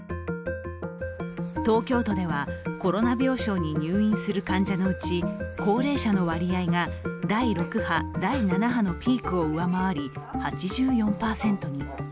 東京都ではコロナ病床に入院する患者のうち高齢者の割合が第６波、第７波のピークを上回り８４％に。